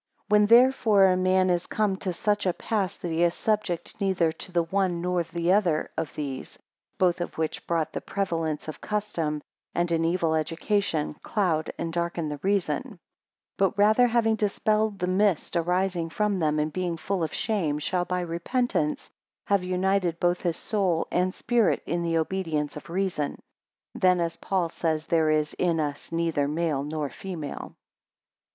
5 When therefore a man is come to such a pass that he is subject neither to the one nor the other of these (both of which, through the prevalence of custom, and an evil education, cloud and darken the reason,) 6 But rather, having dispelled the mist arising from them, and being full of shame, shall by repentance have united both his soul and spirit in the obedience of reason; then, as Paul says, there is in us neither male nor female.